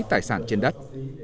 tài sản trên đất